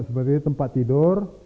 ada seperti tempat tidur